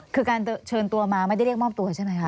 คือการเชิญตัวมาไม่ได้เรียกมอบตัวใช่ไหมคะ